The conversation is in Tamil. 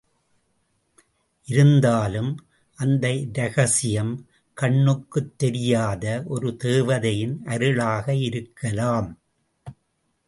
இருந்தாலும் அந்த இரகசியம், கண்ணுக்குத் தெரியாத ஒரு தேவதையின் அருளாக இருக்கலாம்.